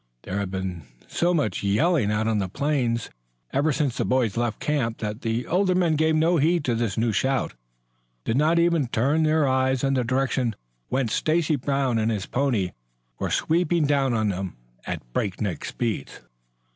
There had been so much yelling out on the plain ever since the boys left camp that the older men gave no heed to this new shout did not even turn their eyes in the direction whence Stacy Brown and his pony were sweeping down on them at break neck speed.